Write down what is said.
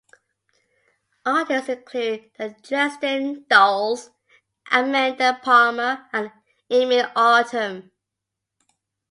Artists include The Dresden Dolls, Amanda Palmer, Emilie Autumn.